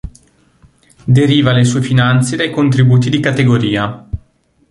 Deriva le sue finanze dai contributi di categoria.